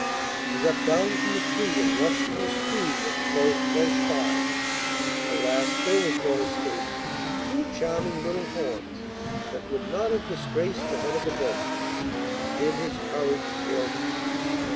He leapt down from the tree and rushed to a stream that flowed close by. Alas! there was no escape: two charming little horns, that would not have disgraced the head of a goat. Then his courage failed him.